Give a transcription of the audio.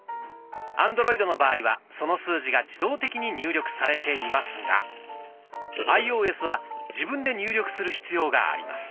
アンドロイドの場合はその数字が自動的に入力されていますがアイオーエスは自分で入力する必要があります。